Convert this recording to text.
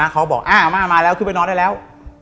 เขาบอกอ้าวอาม่ามาแล้วขึ้นไปนอนได้แล้ว